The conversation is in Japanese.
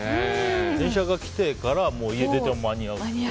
電車が来てから家を出ても間に合うっていう。